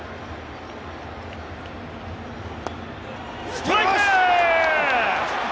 ストライク！